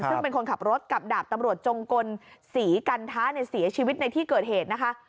ซึ่งเป็นคนขับรถกับดาบตำรวจจงกลศรีกันท้าเสียชีวิตในที่เกิดเหตุนะคะ